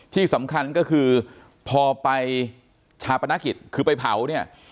ที่สำคัญก็คือพอไปชาปนกิจคือไปเผาเนี่ย